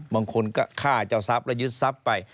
บางคนก็ฆ่าเจ้าทรัพย์แล้วยึดทรัพย์ไป